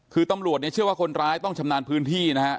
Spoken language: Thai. คือตำรวจเนี่ยเชื่อว่าคนร้ายต้องชำนาญพื้นที่นะฮะ